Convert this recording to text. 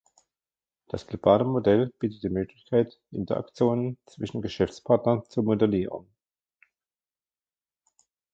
Das globale Modell bietet die Möglichkeit, Interaktionen zwischen Geschäftspartnern zu modellieren.